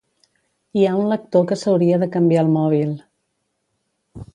Hi ha un lector que s'hauria de canviar el mòbil